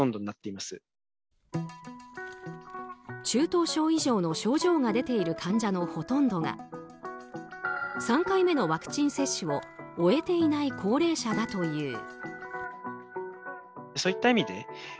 中等症以上の症状が出ている患者のほとんどが３回目のワクチン接種を終えていない高齢者だという。